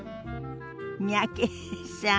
三宅さん